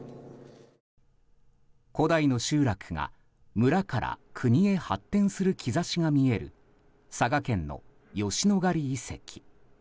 古代の集落がムラからクニへ発展する兆しが見える佐賀県の吉野ヶ里遺跡。